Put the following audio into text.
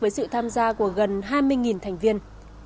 với sự tham gia của gần hai mươi thành viên